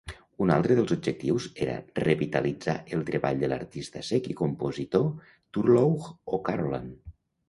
Un altre dels objectius era revitalitzar el treball de l'arpista cec i compositor Turlough O'Carolan.